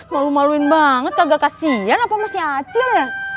malu maluin banget kagak kasihan apa mas yacir